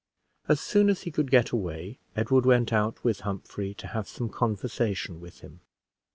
As soon as he could get away, Edward went out with Humphrey to have some conversation with him.